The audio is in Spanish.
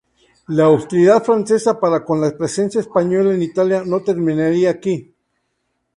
La hostilidad francesa para con la presencia española en Italia no terminaría aquí.